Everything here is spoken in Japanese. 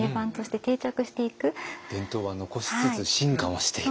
伝統は残しつつ進化をしていく。